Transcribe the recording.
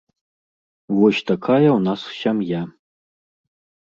Вось такая ў нас сям'я.